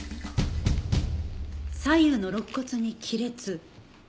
左右の肋骨に亀裂。